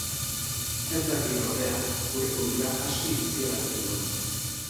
Ez dakit, ordea, gure kultura aski biziarazten dugun.